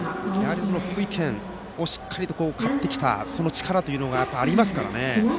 福井県をしっかり勝ってきたその力がありますからね。